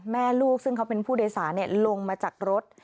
แม่ลูกซึ่งเขาเป็นผู้โดยสารลงมาจากรถ